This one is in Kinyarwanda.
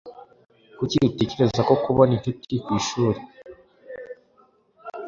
Kuki utekereza ko kubona incuti ku ishuri